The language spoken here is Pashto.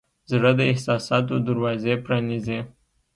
زړه د احساساتو دروازې پرانیزي.